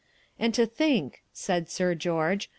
"And to think," said Sir George.